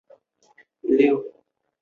武安州在唐朝是沃州地。